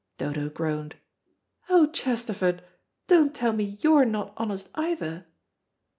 Dodo groaned. "Oh, Chesterford, don't tell me you're not honest either."